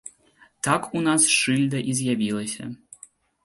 Так у нас шыльда і з'явілася.